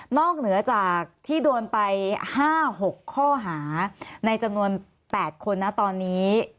เหนือจากที่โดนไป๕๖ข้อหาในจำนวน๘คนนะตอนนี้